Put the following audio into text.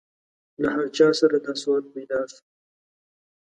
له هر چا سره دا سوال پیدا شو.